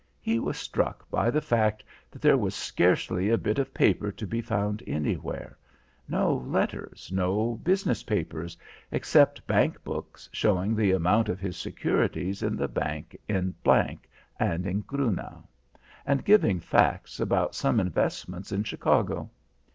He was struck by the fact that there was scarcely a bit of paper to be found anywhere, no letters, no business papers, except bank books showing the amount of his securities in the bank in G and in Grunau, and giving facts about some investments in Chicago.